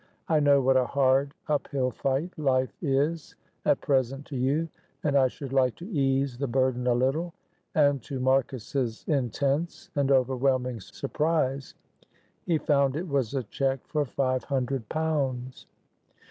I know what a hard, up hill fight life is at present to you, and I should like to ease the burden a little," and to Marcus's intense and overwhelming surprise he found it was a cheque for five hundred pounds.